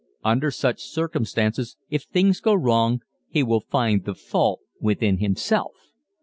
Under such circumstances if things go wrong he will find the fault within himself.